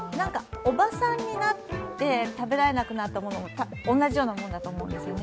おばさんになって食べられなくなったものと同じようなものだと思うんですよね。